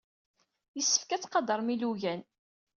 Yessefk ad tettqadarem ilugan.